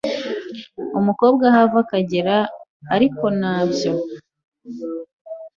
umukobwa aho ava akagera ariko nabyo